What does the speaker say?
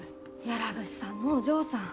屋良物産のお嬢さん。